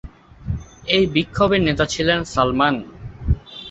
এইসব বিক্ষোভের নেতা ছিলেন সালমান।